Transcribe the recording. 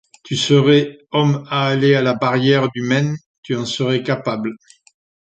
Tu serais homme à aller à la barrière du Maine! tu en serais capable !